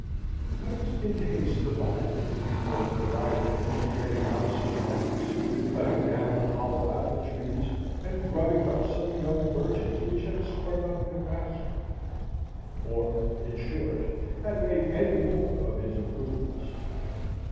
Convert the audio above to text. I was in haste to buy it, before the proprietor finished getting out some rocks, cutting down the hollow apple trees, and grubbing up some young birches which had sprung up in the pasture, or, in short, had made any more of his improvements.